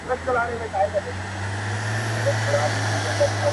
وروسته ما پداسي حال کي خبري وکړې، چي کم سنه نجلۍ ومه.